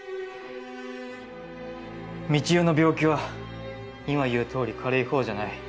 「三千代の病気は今いう通り軽い方じゃない。